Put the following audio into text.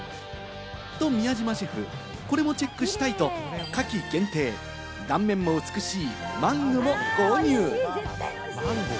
宮島シェフ、これをチェックしたいと、夏季限定、断面も美しいマンゴーのマングも購入。